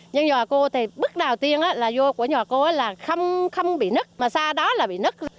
nhưng giờ cô thì bước đầu tiên là vô của nhà cô là không bị nứt mà xa đó là bị nứt